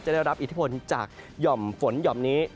ได้รับอิทธิพลจากหย่อมฝนหย่อมนี้